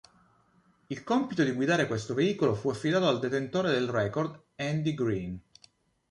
Il compito di guidare questo veicolo fu affidato al detentore del record Andy Green.